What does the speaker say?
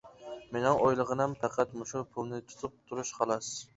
مىنىڭ ئويلىغىنىم پەقەت مۇشۇ پۇلنى تۇتۇپ تۇرۇش خالاس.